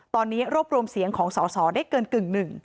๒ตอนนี้รบรวมเสียงของส่อได้เกินกึ่ง๑